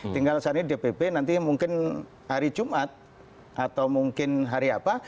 tinggal saat ini dpp nanti mungkin hari jumat atau mungkin hari apa